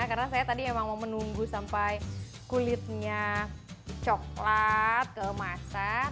karena saya tadi memang mau menunggu sampai kulitnya coklat kemasan